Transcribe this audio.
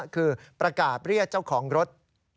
คือประกาศเรียกเจ้าของรถ